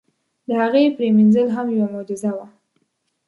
د هغې پرېمنځل هم یوه معجزه وه.